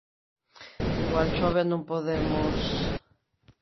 _Igual chove e non podemos...